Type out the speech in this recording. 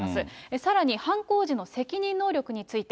さらに、犯行時の責任能力について。